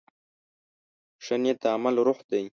ښه نیت د عمل روح دی.